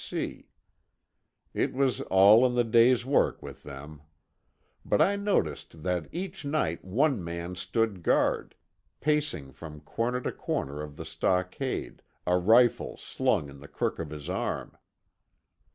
B. C." It was all in the day's work with them. But I noticed that each night one man stood guard, pacing from corner to corner of the stockade, a rifle slung in the crook of his arm.